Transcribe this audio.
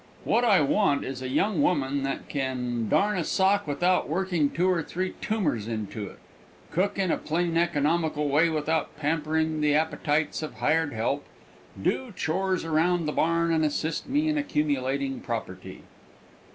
"What I want is a young woman that can darn a sock without working two or three tumors into it, cook in a plain economical way without pampering the appetites of hired help, do chores around the barn and assist me in accumulating property.